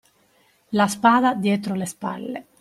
La spada dietro le spalle